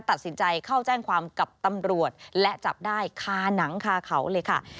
ตัดสินใจเข้าแจ้งความกับตำรวจและจับได้คาหนังคาเขาเลยค่ะ